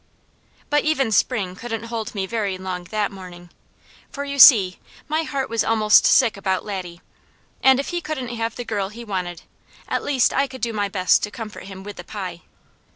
But even spring couldn't hold me very long that morning, for you see my heart was almost sick about Laddie; and if he couldn't have the girl he wanted, at least I could do my best to comfort him with the pie.